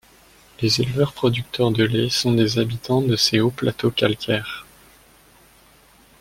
Les éleveurs-producteurs de lait sont des habitants de ces hauts plateaux calcaires.